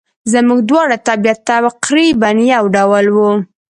زموږ دواړو طبیعت تقریباً یو ډول وو.